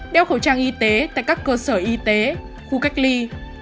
đeo khẩu trang y tế tại các cơ sở y tế khu cách ly